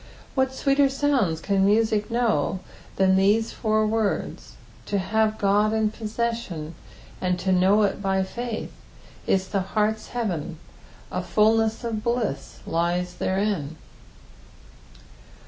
What sweeter sounds can music know than thesa four words ? To have God in possession, and to know it by faith, is the heart's heaven — a fulness of bliss lies therein.